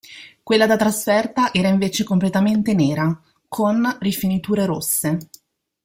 Quella da trasferta era invece completamente nera, con rifiniture rosse.